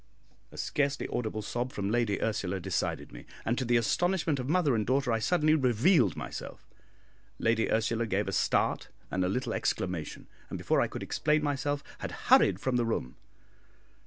A scarcely audible sob from Lady Ursula decided me, and to the astonishment of mother and daughter I suddenly revealed myself. Lady Ursula gave a start and a little exclamation, and before I could explain myself, had hurried from the room.